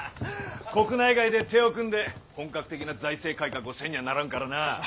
国内外で手を組んで本格的な財政改革をせんにゃあならんからなぁ。